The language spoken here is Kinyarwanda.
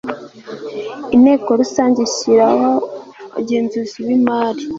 inteko rusange ishyiraho abagenzuzi b imari